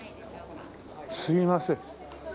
すいません。